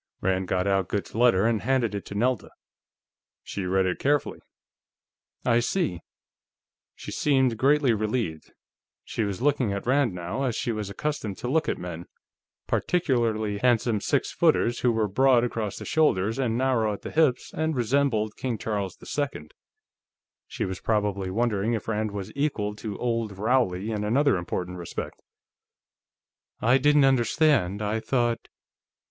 Rand got out Goode's letter and handed it to Nelda. She read it carefully. "I see." She seemed greatly relieved; she was looking at Rand, now, as she was accustomed to look at men, particularly handsome six footers who were broad across the shoulders and narrow at the hips and resembled King Charles II. She was probably wondering if Rand was equal to Old Rowley in another important respect. "I didn't understand ... I thought...."